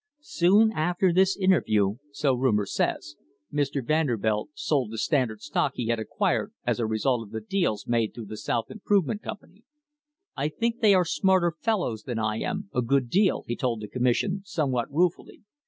Soon after this interview, so rumour says, Mr. Vanderbilt sold the Standard stock he had acquired as a result of the deals made through the South Improvement Company. "I think they are smarter fellows than I am, a good deal," he told the commission, somewhat ruefully.